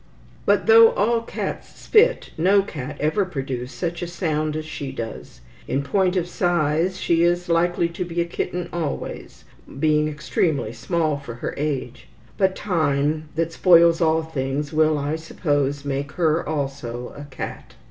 But, though all cats spit, no cat ever produced such a sound as she does. In point of size, she is likely to be a kitten always, being extremely small for her age; but time, that spoils all things, will, I suppose, make her also a cat.